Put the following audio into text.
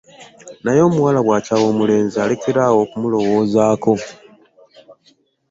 Naye omuwala bw'akyawa omulenzi alekera awo okumulowoozaako.